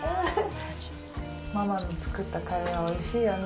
ママの作ったカレーは美味しいよね。